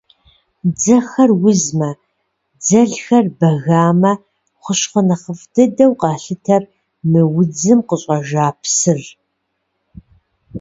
Дзэхэр узмэ, дзэлхэр бэгамэ – хущхъуэ нэхъыфӏ дыдэу къалъытэр мы удзым къыщӏэжа псыр.